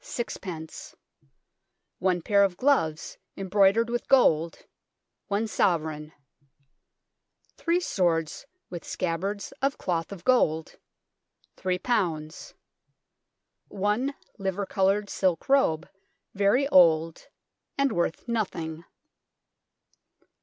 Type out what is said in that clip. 26 One pair of gloves embroidered with gold 10 Three swords with scabbards of cloth of gold 30 One liver coloured silk robe, very old and worth nothing